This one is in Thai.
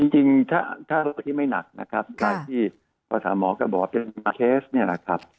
จริงถ้าที่ไม่หนักถ้าที่ภาษาหมอก็บอกว่าเป็นมาร์เทส